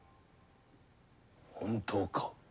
本当か？